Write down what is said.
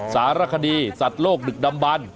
สารคดีสัตว์โลกดึกดำบัน